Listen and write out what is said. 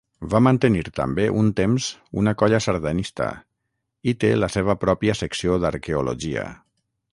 Va mantenir també un temps una colla sardanista i té la seva pròpia secció d'arqueologia.